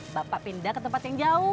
bapak pindah ke tempat yang jauh